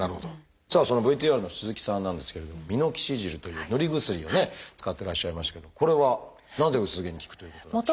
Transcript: さあそのＶＴＲの鈴木さんなんですけれどもミノキシジルという塗り薬をね使ってらっしゃいましたけどこれはなぜ薄毛に効くということなんでしょう？